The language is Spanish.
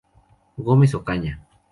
Gómez Ocaña.